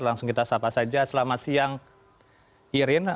langsung kita sapa saja selamat siang irin